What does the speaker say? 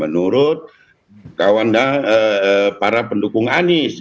menurut para pendukung anies